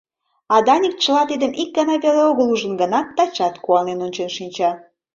А Даник чыла тидым ик гана веле огыл ужын гынат, тачат куанен ончен шинча.